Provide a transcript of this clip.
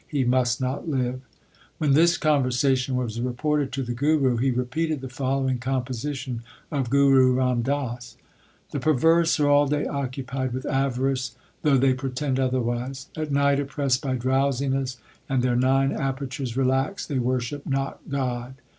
He must not live/ When this conversation was reported to the Guru, he repeated the following composition of Guru Ram Das : The perverse are all day occupied with avarice, though they pretend otherwise ; At night oppressed by drowsiness and their nine apertures relaxed, they worship not God.